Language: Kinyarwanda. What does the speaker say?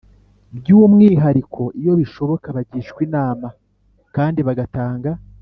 by'umwihariko. iyo bishoboka, bagishwa inama kandi bagatanga